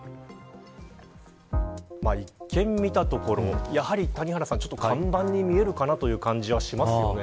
一見、見たところ看板に見えるかなという感じはしますよね。